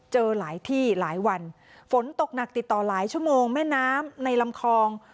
เจอหลายที่หลายวันฝนตกหนักติดต่อหลายชั่วโมงแม่น้ำในลำคลอง